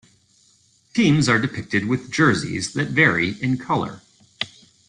Teams are depicted with jerseys that vary in color.